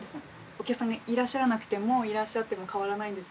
お客さんがいらっしゃらなくてもいらっしゃっても変わらないんですけど